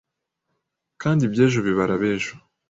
kandi iby’ejo bibar’abejo,